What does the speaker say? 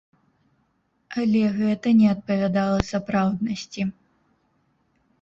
Але гэта не адпавядала сапраўднасці.